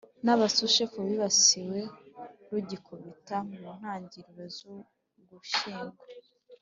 n abasushefu bibasiwe rugikubita mu ntangiriro z Ugushyingo